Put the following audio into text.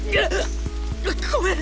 ごめん！